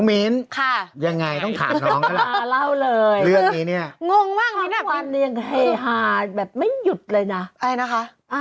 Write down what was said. มิ้นยังไงต้องถามน้องก็แหละเรื่องนี้เนี่ยฮ่าแบบไม่หยุดเลยนะ